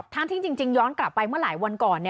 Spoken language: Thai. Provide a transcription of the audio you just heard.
ถ้าจริงย้อนกลับไปมาหลายวันก่อน